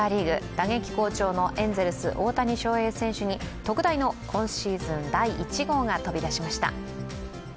打撃好調のエンゼルス大谷翔平選手に特大の今シーズン第１号が飛び出しました。